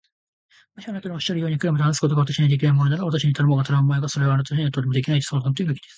もしあなたのおっしゃるように、クラムと話すことが私にはできないものなら、私に頼もうが頼むまいが、それは私にはとてもできない相談というわけです。